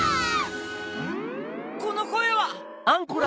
このこえは！